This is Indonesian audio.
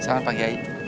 salam pak kiai